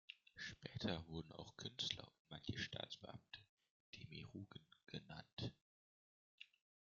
Später wurden auch Künstler und manche Staatsbeamte Demiurgen genannt.